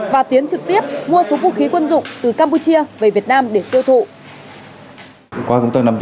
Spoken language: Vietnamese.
và tiến trực tiếp mua số vũ khí quân dụng từ campuchia về việt nam để tiêu thụ